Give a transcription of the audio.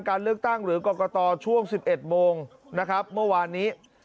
การเลือกตั้งหรือกรกตช่วง๑๑โมงนะครับเมื่อวานนี้